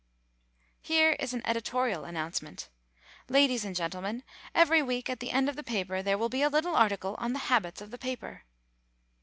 Here is an editorial announcement: "Ladies and gentlemen, every week at the end of the paper there will be a little article on the habits of the paper."